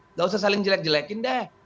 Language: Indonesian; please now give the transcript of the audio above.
nggak usah saling jelek jelekin deh